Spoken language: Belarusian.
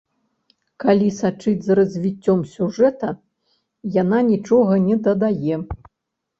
Калі сачыць за развіццём сюжэта, яна нічога не дадае.